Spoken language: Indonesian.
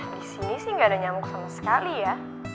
di sini sih nggak ada nyamuk sama sekali ya